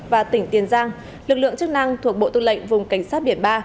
và tỉnh tiền giang lực lượng chức năng thuộc bộ tư lệnh vùng cảnh sát biển ba